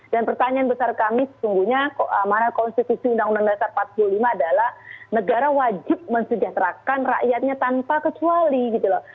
dan pertanyaan besar kami sesungguhnya mana konstitusi undang undang dasar empat puluh lima adalah negara wajib mensejahterakan rakyatnya tanpa kecuali gitu loh